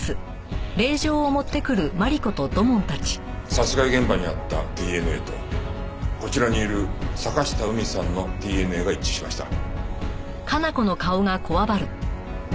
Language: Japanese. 殺害現場にあったＤＮＡとこちらにいる坂下海さんのＤＮＡが一致しました。